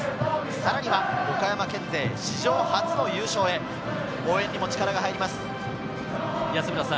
さらには岡山県勢史上初の優勝へ、応援にも力が入ります。